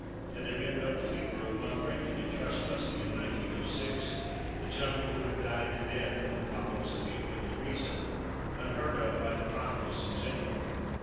Had there been no fever of muck raking and trust busting in 1906, "The Jungle" would have died the death in the columns of the Appeal to Reason, unheard of by the populace in general.